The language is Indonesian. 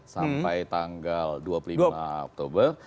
sampai tanggal dua puluh lima oktober